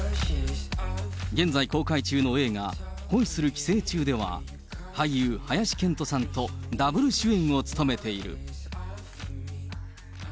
現在公開中の映画、恋する寄生虫では、俳優、林遣都さんとダブル主演を務めている。